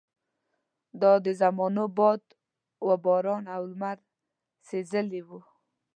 دا د زمانو باد وباران او لمر سېزلي وو.